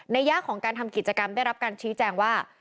ยากของการทำกิจกรรมได้รับการชี้แจงว่า